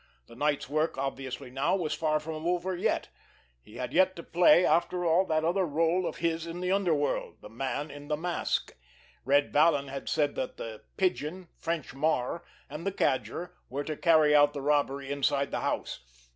The night's work obviously now, was far from over yet! He had still to play, after all, that other rôle of his in the underworld—the man in the mask! Red Vallon had said that the Pigeon, French Marr and the Cadger were to carry out the robbery inside the house.